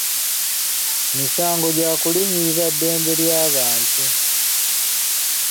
Misango gya kulinnyirira ddembe ly'abantu.